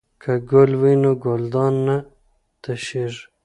که ګل وي نو ګلدان نه تشیږي.